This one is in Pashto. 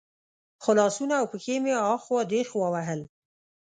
خو لاسونه او پښې مې اخوا دېخوا وهل.